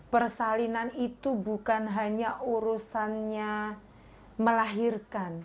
persalinan itu bukan hanya urusannya melahirkan